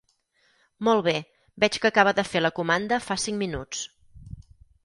Molt bé, veig que acaba de fer la comanda fa cinc minuts.